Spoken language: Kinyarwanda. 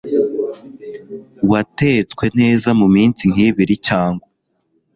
watetswe neza mu minsi nk’ibiri cyangwa